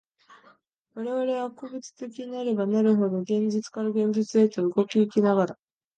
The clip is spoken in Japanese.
我々は個物的なればなるほど、現実から現実へと動き行きながら、